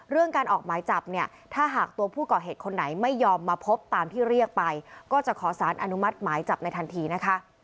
การออกหมายจับเนี่ยถ้าหากตัวผู้ก่อเหตุคนไหนไม่ยอมมาพบตามที่เรียกไปก็จะขอสารอนุมัติหมายจับในทันทีนะคะ